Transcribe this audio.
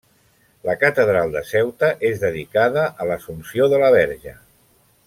La catedral de Ceuta és dedicada a l'Assumpció de la Verge.